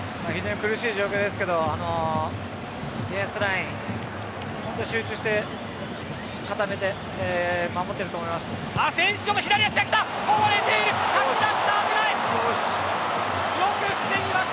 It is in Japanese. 苦しい状況ですけどディフェンスライン本当集中して頑張って守っていると思います。